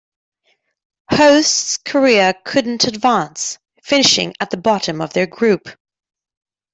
Hosts Korea couldn't advance, finishing at the bottom of their group.